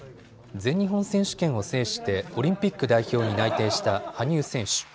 全日本選手権を制してオリンピック代表に内定した羽生選手。